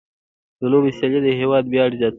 د لوبو سیالۍ د هېواد ویاړ زیاتوي.